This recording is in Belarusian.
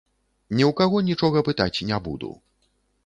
Ні ў каго нічога пытаць не буду.